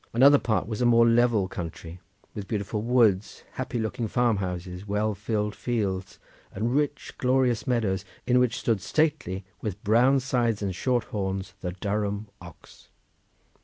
Another part was a more level country with beautiful woods, happy looking farmhouses, well filled fields and rich glorious meadows, in which stood stately with brown sides and short horns the Durham ox."